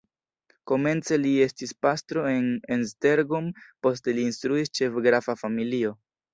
Komence li estis pastro en Esztergom, poste li instruis ĉe grafa familio.